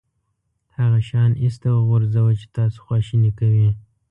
هغه شیان ایسته وغورځوه چې تاسو خواشینی کوي.